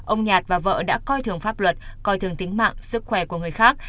ông nhạt và vợ đã coi thường pháp luật coi thường tính mạng sức khỏe của người khác